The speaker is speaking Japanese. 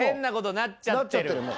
なっちゃってるもん。